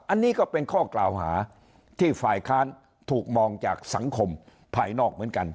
อันนี้ก็เป็นข้อกล่าวหาที่ฝ่ายค้านถูกมองจากสังคมภายนอกเหมือนกัน